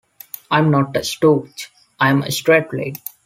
I'm not a stooge, I'm a straight lady.